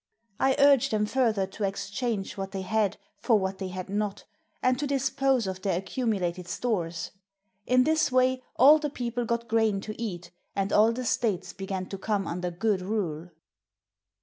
I urged them further to exchange what they had for what they had not, and to dispose of their accumu lated stores. In this way all the people got grain to eat, and all the states began to come under good rule."